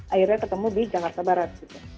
akhirnya ketemu di jakarta barat